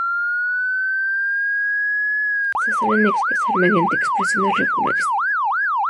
Se suelen expresar mediante expresiones regulares.